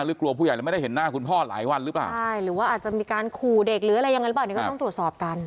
หรือกลัวผู้ใหญ่ไม่ได้เห็นหน้าคุณพ่อหลายวันหรือเปล่าใช่หรือว่าอาจจะมีการขู่เด็กหรืออะไรอย่างนั้นหรือเปล่า